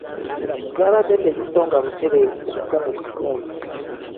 Zaabadde tezisonga butereevu ku mukungu Katumba.